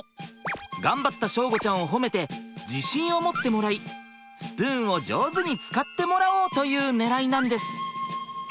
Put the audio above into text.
頑張った祥吾ちゃんを褒めて自信を持ってもらいスプーンを上手に使ってもらおう！というねらいなんです。